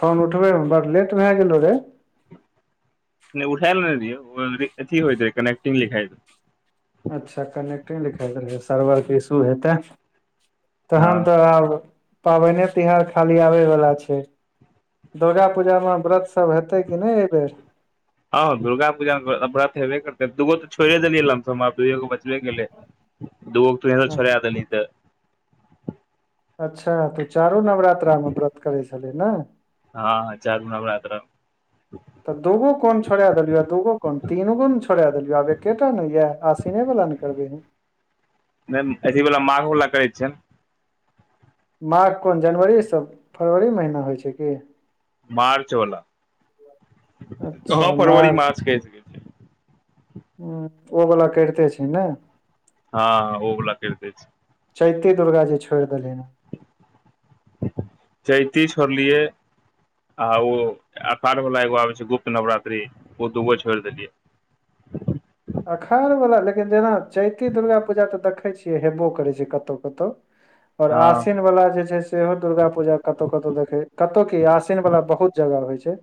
Phone उठबै मे बड़ लेट भए गेलो रे नहि उठाय लेल रियो न अथी होइत रहै कनेक्टिंग लिखा अच्छा कनेक्टिंग लिखाई रहै सर्वरके इशू हेतै हँ तखन त आब पाबनिए तिहार खाली आबैवला छै दुर्गा पूजा मे व्रत सभ हेतै कि नहि एहि बेेर हँ दुर्गा पूजा व्रत हबे करतै दूगो तऽ छोड़े देलियै लमसम आब दुगो बचबे गेलै दू गो पियनो छोरा देंहि तऽ अच्छा तऽ चारो नवरात्रा मे व्रत करै छलैय नै हँ हँ चारु नवरात्त्रा में [inaudible] [inaudible] तऽ दूगो कोन छोड़ा देलियु दूगो कोन तीन गो ने छोड़ा देलियौ आब एकेटा ने ये आसीने वाला ने करबै है नहि अथी वला माघो वला करै छियैनि माघ कोन जनवरी सब फरवरी महिना होइ छै की मार्च वला कहाँ फरवरी मार्च कैह ह ओ वला करिते छै नै हँ ओ बोला कैरते छै चैति दुर्गााजे छोड़ि देलनि हँ चैती छोड़लियै आ ओ अपाढ़ वला एगो आबै छै गुप्त नवरात्रि ओ दूगो छोड़ि देलियै अखाढ़ वाला लेकिन जेना चैती दुर्गा पूजा तऽ देखै छियै हेबो करै छै कतौ कतौ आशिन हँ आशिन वला जे छै से सेहो दुर्गा पूजा कतौ कतौ देखे कतौ की आशिन वाला बहुत जगह होइ छै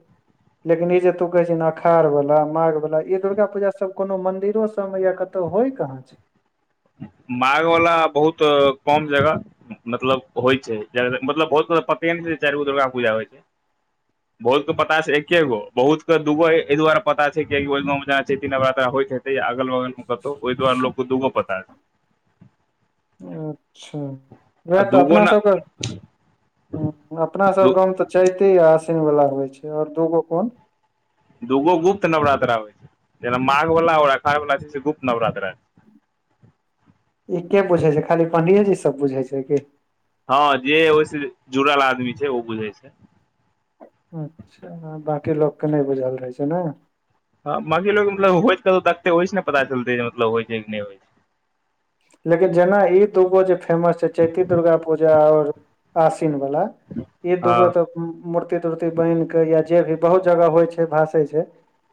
लेकिन ई जे तू कहे छ अखाढ़ वाला माघ वाला ई दुर्गा पूजा सब कोनो मंदिरो सब मे या कतौ होय कहाँ छै माघ वला बहुत कम जगह मतलब होइ छै मतलब बहुत पतेन चारि गो दुर्गा पूजा होइ छै [inaudible] [inaudible] बहुत के पता छै एकेगो बहुत के दूगो एहि दुआरे पता छै कि जांना चैति नवरात्रा होइत ह त अगल वगल में कतौ ओहि द्वारे दूगो पता छै अच्छा आ वएह तऽ दूगो अपना ने सब के ह अपना सब गाँव मे तऽ चाहिते आ आशिन वाला होइ छै और दूगो कोन दूगो गुप्त नवरात्रा होइ छै जेना माघ वला आ और अखाढ़ वला छै से गुप्त नवरात्रा छै ई के बुझै छै खाली पंडियेजी सब बुझे छै की हँ जे ओहिसे जुड़ल आदमी छै ओ बुझै छै अच्छा बकी लोक के नहि बुझल रहै छै नै ह बाकी लोको मतलब हो छै कत देखते ओइ छै ने पता चलते मतलब होइ छै कि नहि होइ छै लेकिन जेना ई दुूगो जे फेमस छै चैती दुर्गा पूजा और आशिन वाला ई दूगो हँ तऽ मूर्ति तूर्ति बनि के या जे भी बहुत जगह होय छै जे भासे छै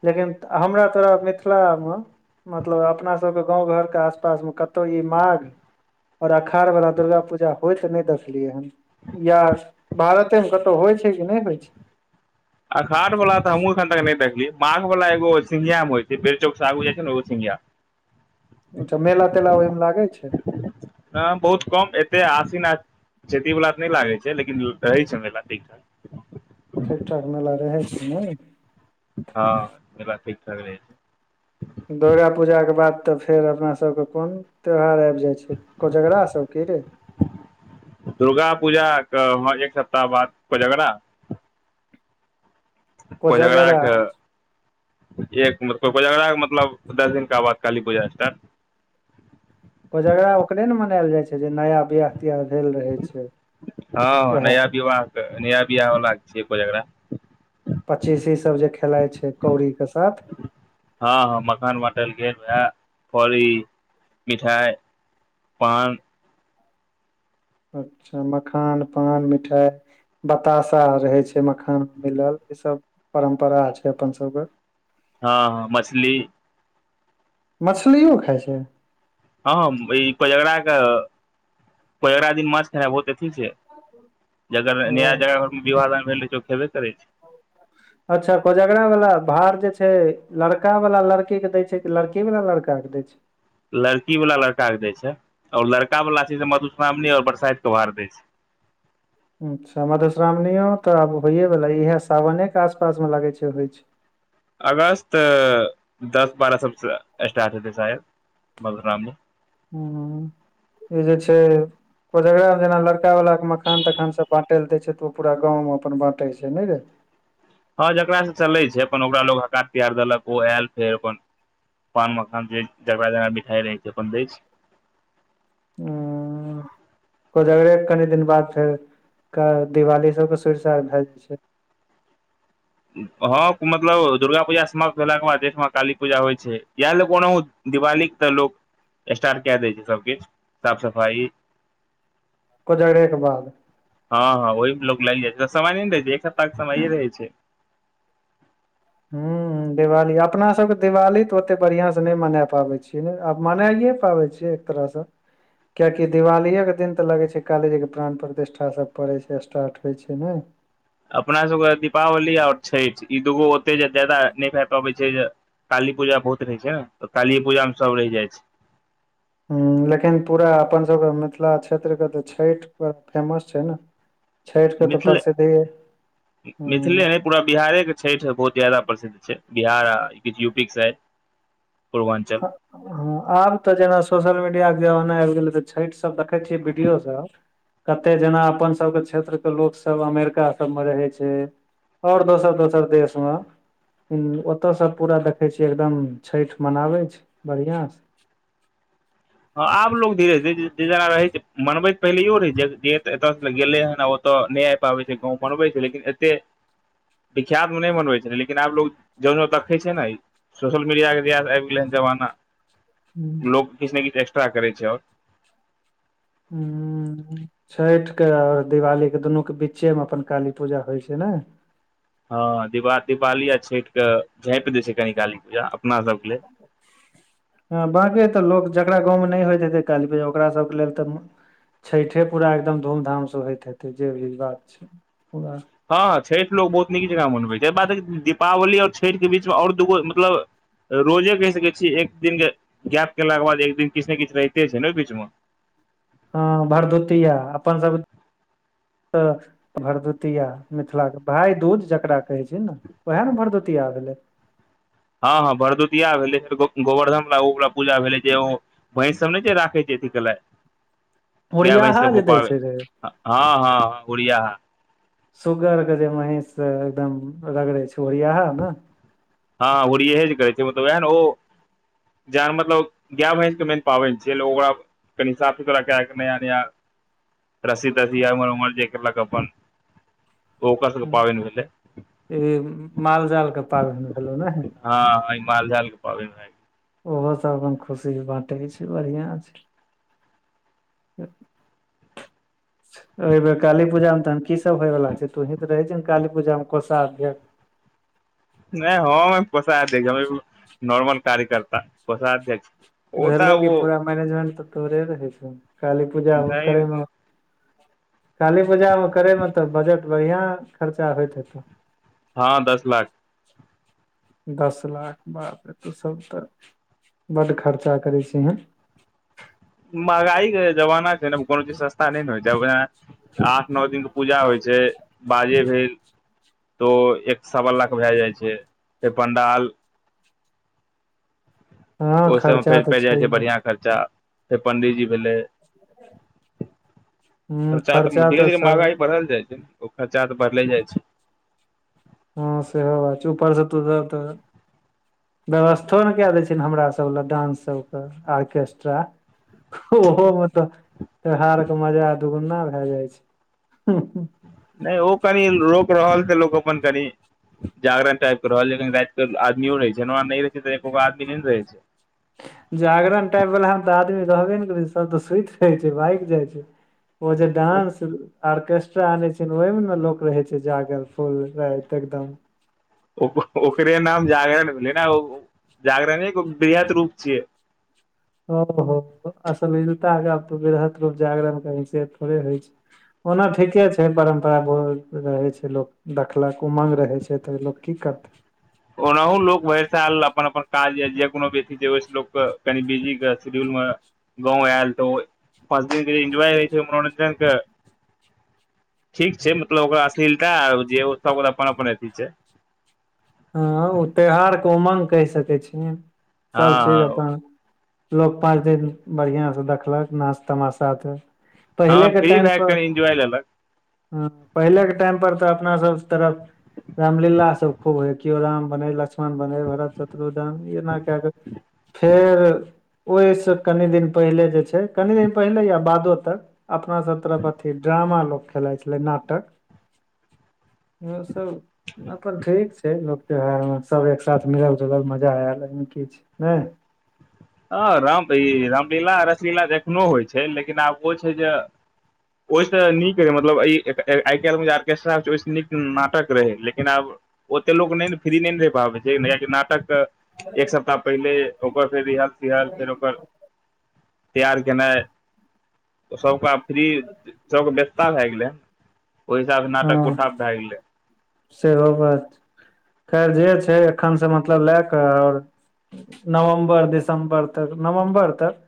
लेकिन हमरा तोरा मिथिला मे मतलब अपना सबके गाँंव घर के आसपास मे कत तौ ई माघ आओर अखाड़ बला दुर्गा पूजा होइ तऽ नहि देखलियै हन या भारतेमे कतहु होय छै कि नहि होय छै अखाड़वाला त हमहू एखन तक न देखलियै माघ वाला एगो सिन्घियामे होय छै बेल चौक सँ आगू जाय छै ने ओ सिन्घिया अच्छा मेला तेला ओहिमे लागै छै हँ बहुत कम एते आसिन आ खेती वला त नहि लागै छै लेकिन रहै छै महिला ठीक ठाक ठीक ठाक मेला रहै छै ने हँ मेला ठीक ठाक रहै छै दुर्गा पूजा के बाद त फेर अपनासभ के कोन त्यौहार आबि जाइत छै कोजगरा सभके रे दुर्गा पूजा कऽ एक सप्ताह बाद कोजगड़ा कोजगड़ा कोजगरा के एकब कोजगड़ा मतलब दस दिन के बाद काली पुजा स्टाट कोजगरा ओकरे ने मनायल जाय छै जे नया बियाह तिहा भेल रहै छै हँ उएह नया विवाह नया बिवाह बला के छियै कोजगरा पच्चीसी सब जे खेलाय छै कौड़ी के साथ हँ हँ मखान बाँटल गेल वह कौड़ी मिठाई पान अच्छा मखान पान मिठाई बताशा रहे छै मखाना मिलल ई सब परम्परा छै अपन सब के हँ ह मछली मछलियो खाय छै हँ ई कोजगरा के कोजगरा दिन माछ बहुत अथी छियै जकर नया ओ जेकरा घर में विवाह दान आर भेल रहै छै ओ खेबे करै छै ह [unintelligible] अच्छा कोजगरा वाला भार जे छै लड़का वाला लड़की के दय छै कि लड़की वाला लड़का के दय छै लड़की वाला लड़का के दय छै आओर लड़का वाला छै ते मधुश्रावणी आओर बरसाइत के भार दै छै अच्छा मधुश्रावणियो त आब होइए वला इएह सावने के आसपास मे लागै छै होय छै अगस्त दस बारह सबसँ स्टार्ट हेतै शायद मधुश्रावणी ह ई जे छै कोजगरा मे जेना लड़का वाला के मखान तखान सब बाँटै लए दै छै त ओ पूरा गाँव मे अपन बाँटै छै न रे हँ जेकरा से चलै छै अपन ओकरा लो हकार पियार देलक ओ आयल फेर अपन पान मखान जे जकरा जकरा बिठाई रहे छै अपन द छै ह कोजगरे के कनि दिन बाद फेर दिवाली सब के सुर सार भए जाए छै हँ मतलब दुर्गा पूजा समाप्त भेला के बाद देश मे काली पूजा होय छै इएह ल कोनो उ दिवालीक त लोक स्टार्ट कए दै छै सबकिछु साफ सफाई कोजगरे के बाद हँ हँंह वही पर लोक लागि जाय छै त समय नै न रहै छै एक सप्ताह के समये रहै छै हूँ हूँ दिवाली अपना सबके दिवाली त ओते बढ़ियां से नहि मना पाबै छीयै ने आब मनाइए पाबै छै एक तरहसँ कियाकि दिवालीेके दिन त लगै छै काली जी के प्राण प्रतिष्ठा सब पड़ैत छै स्टार्ट होयछै ने अपना सभके दीपावली आओर छठि ई दूगो ओते जे ज्यादा नहि भाय पाबै छै जे काली पूजा बहुत रहै छै ने त कालीे पूजा मे सब रहि जाइ छै ह लेकिन पूरा अपनसभ के मिथिला क्षेत्रके त छठि ब फेमस छै ने छठि के त मिथिले प्रसिद्धि हूँ मिथिले नहि पूरा बिहारे के छठि बहुत ज्यादा प्रसिद्ध छै बिहार आ किछ यूपी के साइड पूर्वांचल हँ। आब तऽ जेना सोशल मीडिय के जमाना आबि गेलै तऽ छठि सब देखै छियै वीडियो सब कतेक जेना अपन सभके क्षेत्रके लोकसभ अमेरिका सभमे रहै छै आओर दोसर दोसर देश मे ओतयसँ पूरा देखै छियै एकदम छठि मनाबै छै बढ़िआँसँ हँ आब लोग धीरे धीरे जे जैना रहे छै मनबैत पहिलेयो रहै छै जे एत सऽ तऽ गेले ह तऽ नहि आ पाबै छै गाँओ पनबै छै लेकिन एतेक विख्यात मे नै मनबै छै लेकिन आब लोग जौं जं देखै छै ने [unintelligible] सोशल मीडियाके जहिस आबि गेलै हन जमाना हूँ लोक किछु ने किछु एक्स्ट्रा करै छै आओर हू छठिके आओर दिवाली के दुनू के बीच्चेमे अपन काली पूजा होइ छै नै हँ। दीवा दीवाली आ छठिके झाँप द छै कनि काली पूजा अपना सभके लेल ह ह, बाँकी त लोक जकरा गावमे नहि होइत हतै काली पूजा ओकरा सभके लेल त छठे पूरा एकदम धूमधामसँ होइत हेतै जे भी बात छै पूरा हँ, छठि लोक बहुत नीक जगह मनबै छै बात दीपावली ओर छठि के बीचमे ओर दूगो मतलब रोजे कहि सकै छीयै एक दिनके गैप केलाके बाद एक दिन किछु ने किछु रहिते छै ने बीचमे अ भारद्वितीया अपन सब भरदुतिया मिथिलाके भाय दूज जकरा कहै छै ने उएह ने भरदुतिया भेलै हँ हँ भरदुतििया भेलै फरो गोवर्धन बला ओवला पूजा भेलै जे ओ भैंस सबने जे राखै छै कलाइ [inaudible] गाएय भैंस ओरियाहा गो जे दै पाबे छै रे हँ हँ हँ गुरिया हा सुगर के जे महींष से एकदम रगड़े छै ओहिया नऽ हँ ओरी इए जे करै छै मतलब ओएह ने ओ जएन मतलब गाएय भैंस मेन पाबनि छै ओकरा कनी साफ सुतरा क कए नया नया रसी तसी या उमर उमर जे केलक अपन ओकर सबके पाबनि भेलै ई माल जाल के पाबनि भेलौह नै हँ ह ई माल जाल के पाबनि मे ओहो सब अपन खुशी के बाँटे के छै बढ़िया छै ह [unintelligible] एबेर काली पूजा मे तहन की सब होयवला छै तूहीं तऽ रहै छीहीन काली पूजामे कोसा अध्यकछ नै हम पोसा अध्यक्ष नॉर्मल कार्य्यकर्ता कोसा अध्यक्ष भेलै कि पूरा मैनेजमेंट तऽ थोरे रहै छौ काली पूजा नहि करैमे काली पूजामे करैमे तऽ बजट बढ़िआं खर्चा होत हेतैऽ हँ दस लाख दस लाख बापरे तू सब तऽ बड्ड खर्चा करै छी एँ महगाइ क जबना छै ने कोनो चीज सस्ता नै ने होय वएह आठ नो दिन के पूजा होइ छै बाजे भेल तो एक सब लाख भए जाइ छै फेर पं्डाल हँ ओहिसभ मे खर्चा फेर तऽ पड़ि जाइ छैहे छै बढ़िआँ खर्चा फेर पण्डीजी भेलै हूँ खर्चा तऽ खर्चा धीरे धीरे सब मगाइ भराल जाइ छै ओ कर खर्चा तऽ बढ़ले जाइ छै हँ सेहो बात छै ऊपरसँ तूधर त व्यवस्थो ने कए देय छै हमरा सब लए डानंस सब के आरके ऑर्केस्ट्रा ओहोमे तऽ त्योहारके मजा दुगुना भए जाइ छै नै ओ कनि रोक रहल त लोक अपन कनि जागरण टाइप के रहल लेकिन रैत क आदमियो रहै छै नै रहे छै त एको आदी नैने रहै छै जागरण टाइप वला तऽ आदमी रहबे नै करै छै सब तऽ सुइत रहै छै भाइग जाइ छै ओ जे डान्स ऑर्केस्ट्रा आनै छै ओहिमे ने लोक रहे छै जागर फूल राति एकदम ओकरे नाम जागरण भेलै ने ओ जागरने वृहत रूप छियै ओ हो अस मिलता है। आब तऽ वृहत रूप जागरण करैसे थोड़े होइ छै ओना ठीके छै। परम्परा बहुत रहे छै। लोक देखलक उमङ्ंग रहे छै तऽ लोक कीकत ओनाहुँ लोक भरिसँ आयल अपन-अपन काजमे, जे कोनो भी अथी छै, ओहिसँ लोक कनि बिजी शेड्यूलमे। गाम अएलहुँ तऽ पाँच दिन एन्जॉय होइ छै, मनोरंजनके। ठीक छै। मतलब ओकरा अश्लीलता जे सभ अपन अपन अथी छै। हँ, ओ त्यौहारके उमङ्ग कहि सकै छ। सभचीज हँ अपन लोक पाँच दिन बढ़िया से देखलक नाच तमाशा त हँ पहिलेके फ्री भए टाइमप कऽ कनि इन्जॉय लेलक ह पहिले के टाइम पर तऽ अपना सब तरफ रामलीला सब खूब हो कओ राम बनै लक्ष्मण बनै भरत शत्रुधन एना क क फेर ओहिसँ कनि दिन पहिले जे छै कनि दिन पहिले या बादो तक अपना सभ तरफ अथी ड्रामा लोक खेलाइ छलै नाटक ओ सभ अपन ठीक लोक त्यौहार ममे सभ एक साथ मिलल जुलल मजा आयल एहिमे किछ ने। ह, राम ई रामलीला रसलीला एखनो होइ छै लेकिन आब ओ छै जे ओहिसँ नीक रहै मतलब ई आइ काल्हिमे जे आर्केस्ट्रा छै ओहिसँ नीक नाटक रहै लेकिन आब। ओते लोक नहि फ्री नहि ने रपाबै छै नाटक एक सप्ताह पहिले ओकर फेर रिह रिहाज फेर ओकर तैयार केनाइ। त सभक आब फ्री सभके व्यस्तता भए गेलै ओहिसाब हँ नतक उठाएप भए गेलै सेहो बात खैर जे छै एखनसँ मतलब लए कऽ आओर। नवम्बर दिसम्बर तक नवम्बर तक।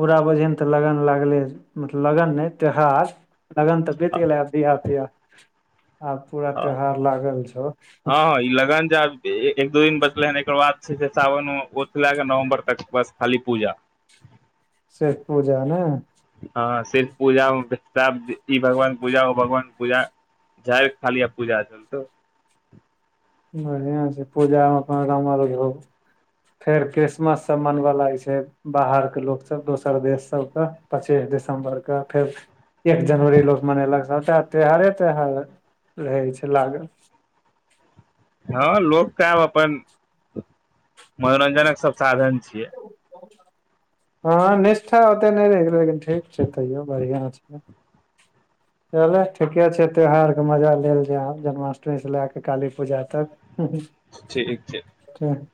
पूरा बजन तऽ लगन लागलै मतलब लगन नहि त्योहार। लगन तऽ बीत गेले बिहा तिया आब पूरा हँ त्योहार लागल छौ। हँ। ई लगान जाब एक दू दिन बचले हन एकर बाद छै। सावन ओ लए कऽ नवम्बर तक बस खाली पूजा छैठ पूजा ने हँ, सिर्फ पूजा ई भगवान पूजा ओ भगवान पूजा जा खालीय पूजा तऽ बढ़िआ छै पूजा अपन काम आर घ फेर क्रिसमस सभ मनबय लागै छै बाहर के लोको सभ दोसर देश सभके पच्चीस दिसम्बरके फेर एक जनवरी लोग मनेलक सभटा त्योहारे त्योहार रहै छै लागल। हँ, लोकके आब अपन मनोरंजनक सभ साधन छियै हँ, निष्ठा ओते नहि रहि गेलै लेकिन ठीक छै, तैयो बढ़िआ छै [inaudible] चलू, ठीके छै। त्यौहारके मजा लेल जायब जन्माष्टमीसँ लऽ कऽ काली पूजाधरि। ह। ठीक छै। क